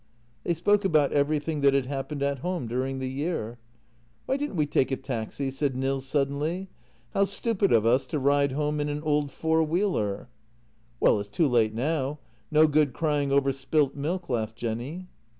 They spoke about everything that had happened at home during the year. " Why didn't we take a taxi? " said Nils suddenly. " How stupid of us to ride home in an old four wheeler! " JENNY 125 " Well, it's too late now; no good crying over spilt milk," laughed Jenny.